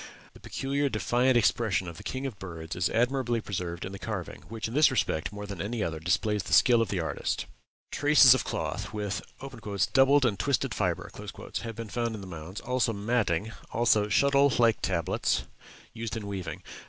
The peculiar defiant expression of the king of birds is admirably preserved in the carving, which in this respect, more than any other, displays the skill of the artist." FROM THE MOUNDS OF THE OHIO VALLEY Traces of cloth with "doubled and twisted fibre" have been found in the mounds; also matting; also shuttle like tablets, used in weaving.